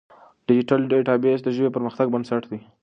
ډیجیټل ډیټابیس د ژبې د پرمختګ بنسټ دی.